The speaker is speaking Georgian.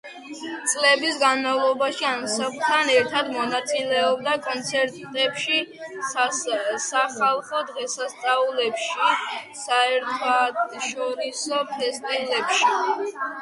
წლების განმავლობაში ანსამბლთან ერთად მონაწილეობდა კონცერტებში, სახალხო დღესასწაულებში, საერთაშორისო ფესტივალებში.